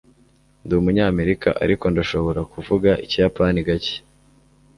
Ndi Umunyamerika, ariko ndashobora kuvuga Ikiyapani gake